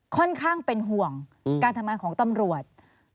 ค่อนข้างเป็นห่วงการทำงานของตำรวจ